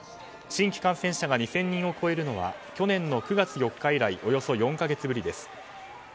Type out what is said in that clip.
新規感染者が２０００人を超えるのは去年の９月４日以来およそ４か月ぶりです。